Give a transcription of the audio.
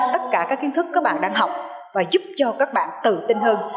tất cả các kiến thức các bạn đang học và giúp cho các bạn tự tin hơn